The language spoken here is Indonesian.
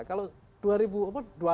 kalau dua ribu apa